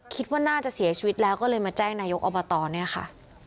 คิดว่าน่าจะเสียชีวิตแล้วก็เลยมาแจ้งนายกอบตเนี่ยค่ะ